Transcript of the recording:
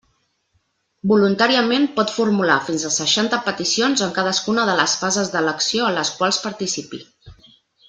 Voluntàriament pot formular fins a seixanta peticions en cadascuna de les fases d'elecció en les quals participi.